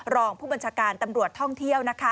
รองผู้บัญชาการตำรวจท่องเที่ยวนะคะ